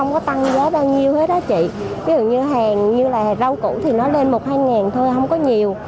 ví dụ như hàng như là rau củ thì nó lên một hai ngàn thôi không có nhiều